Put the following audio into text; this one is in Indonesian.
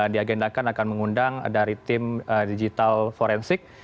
diagendakan akan mengundang dari tim digital forensik